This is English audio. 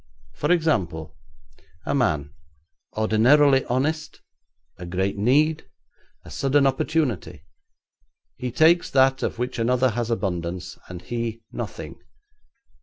For example, a man, ordinarily honest; a great need; a sudden opportunity. He takes that of which another has abundance, and he, nothing.